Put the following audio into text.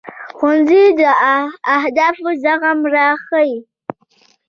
ښوونځی د اختلاف زغم راښيي